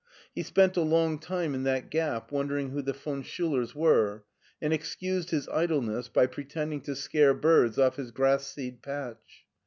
He spent a long time in that gap wondering who the von Schiilers were, and excused his idleness by pretending to scare birds off his grass seed patch.